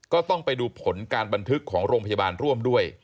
ก็ต้องไปดูผลการบันทึกของโรงพยาบาลร่วมด้วย